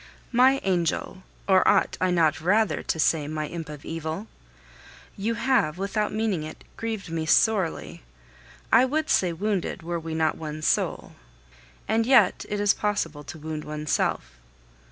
My angel or ought I not rather to say my imp of evil? you have, without meaning it, grieved me sorely. I would say wounded were we not one soul. And yet it is possible to wound oneself.